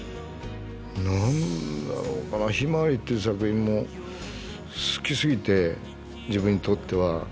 何だろうか「ひまわり」という作品も好きすぎて自分にとっては。